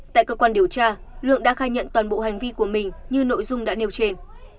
tại cơ quan điều tra lượng đã khai nhận toàn bộ hành vi của mình như nội dung đã nêu trên